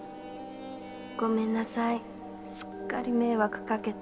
ごめんなさいすっかり迷惑かけて。